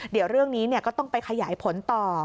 เดี๋ยวเรื่องนี้ก็ต้องไปขยายผลต่อ